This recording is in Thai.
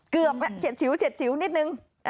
เกือบฉีดชิวนิดหนึ่ง